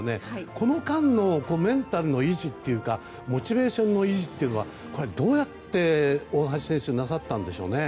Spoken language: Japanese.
この間のメンタルの維持というかモチベーションの維持というのはこれ、どうやって大橋選手はなさったんでしょうね。